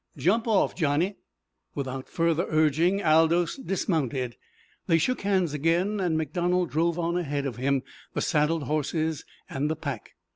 Jump off, Johnny!" Without further urging Aldous dismounted. They shook hands again, and MacDonald drove on ahead of him the saddled horses and the pack.